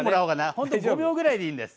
ほんと５秒ぐらいでいいんです。